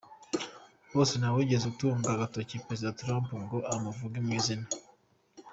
Bose nta wigeze atunga agatoki Perezida Trump ngo amuvuge mu izina.